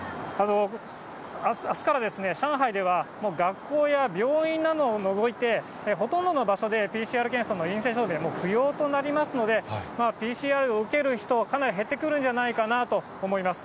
あすから上海では、学校や病院などを除いて、ほとんどの場所で、ＰＣＲ検査の陰性証明、不要となりますので、ＰＣＲを受ける人はかなり減ってくるんじゃないかなと思います。